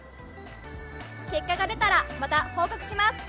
結果が出たらまた報告します！